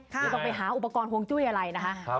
ไม่ต้องไปหาอุปกรณ์ฮวงจุ้ยอะไรนะคะ